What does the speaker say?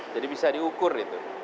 jadi bisa diukur itu